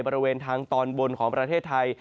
บริเวณทางตอนบนของประเทศไทย